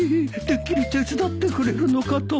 てっきり手伝ってくれるのかと